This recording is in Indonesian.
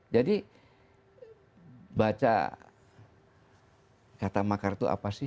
jadi baca kata makar itu apa sih